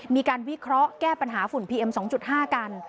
มีการวิเคราะห์แก้ปัญหาฝุ่นพีเอ็มส์สองจุดห้ากัน